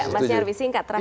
mas nyarwi singkat terakhir